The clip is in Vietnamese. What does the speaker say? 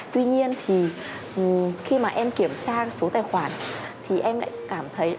tuy nhiên thì khi mà em kiểm tra số tài khoản thì em lại cảm thấy